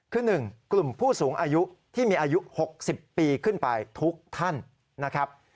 คือ๑กลุ่มผู้สูงอายุที่มีอายุ๖๐ปีขึ้นไปทุกท่านนะครับ